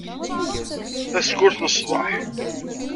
Tasekkurt n ṣbeḥ.